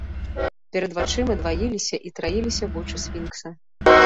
Перад вачыма дваіліся і траіліся вочы сфінкса.